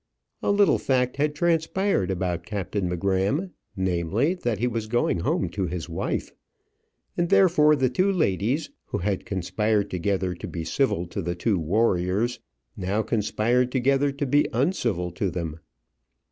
A little fact had transpired about Captain M'Gramm, namely, that he was going home to his wife. And therefore the two ladies, who had conspired together to be civil to the two warriors, now conspired together to be uncivil to them.